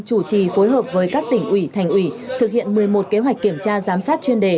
chủ trì phối hợp với các tỉnh ủy thành ủy thực hiện một mươi một kế hoạch kiểm tra giám sát chuyên đề